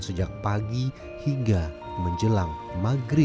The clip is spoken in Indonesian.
sejak pagi hingga menjelang maghrib